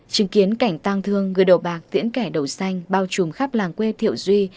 chứng kiến cảnh tang thương người đầu bạc tiễn kẻ đầu xanh bao trùm khắp làng quê thiệu duy